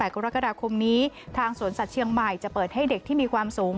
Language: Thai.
กรกฎาคมนี้ทางสวนสัตว์เชียงใหม่จะเปิดให้เด็กที่มีความสูง